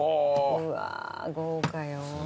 うわー豪華よ。